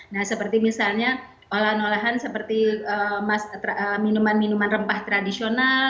nah seperti misalnya olahan olahan seperti minuman minuman rempah tradisional